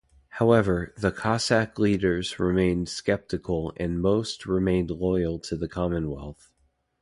However, the Cossack leaders remained sceptical and most remained loyal to the Commonwealth.